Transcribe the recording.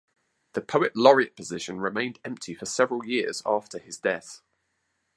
The poet laureate position remained empty for several years after his death.